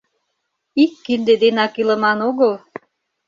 Ик кинде денак илыман огыл.